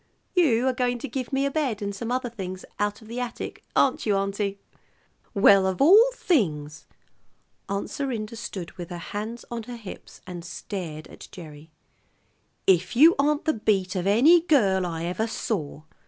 You are going to give me a bed and some other things out of the attic, aren't you, auntie?" "Well, of all things!" Aunt Serinda stood with her hands on her hips, and stared at Gerry. "If you aren't the beat of any girl I ever saw!